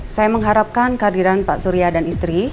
saya mengharapkan kehadiran pak surya dan istri